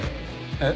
えっ？